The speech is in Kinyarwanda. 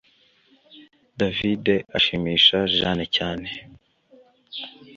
David ashimisha Jane cyane